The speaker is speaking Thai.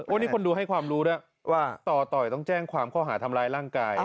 วันนี้คนดูให้ความรู้ด้วยว่าต่อต่อยต้องแจ้งความข้อหาทำร้ายร่างกาย